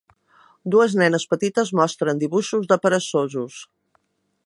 Dues nenes petites mostren dibuixos de peresosos.